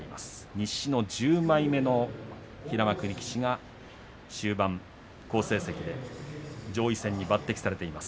西の１０枚目の平幕力士が終盤、好成績で上位戦に抜てきされています。